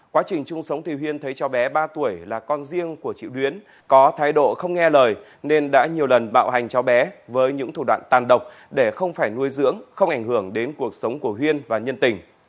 quá trình chung sống thì huyên thấy cháu bé ba tuổi là con riêng của triệu luyến có thái độ không nghe lời nên đã nhiều lần bạo hành cháu bé với những thủ đoạn tàn độc để không phải nuôi dưỡng không ảnh hưởng đến cuộc sống của huyên và nhân tình